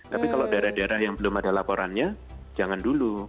tapi kalau daerah daerah yang belum ada laporannya jangan dulu